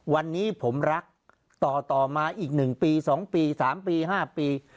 วันนี้ผมรักต่อมาอีก๑ปี๒ปี๓ปี๕ปี